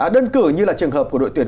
đơn cử như là trường hợp của đội tuyển